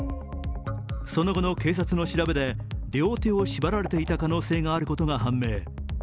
その後の警察の調べで両手を縛られていた可能性があることが判明。